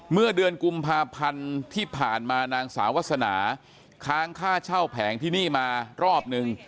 เมื่อเดือนกุมภาพันธ์ที่ผ่านมานางสาววาสนาค้างค่าเช่าแผงที่นี่มารอบนึง